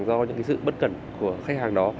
do những cái sự bất cẩn của khách hàng đó